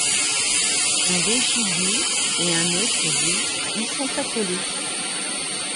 Un logis du et un autre du y sont accolés.